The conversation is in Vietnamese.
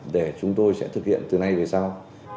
để chúng tôi sẽ thực hiện từ nay về sau